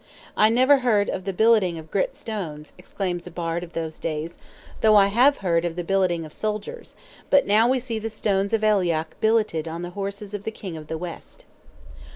"I never heard of the billeting of grit stones," exclaims a bard of those days, "though I have heard of the billeting of soldiers: but now we see the stones of Aileach billeted on the horses of the King of the West!"